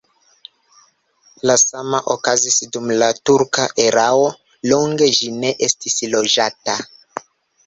La sama okazis dum la turka erao, longe ĝi ne estis loĝata.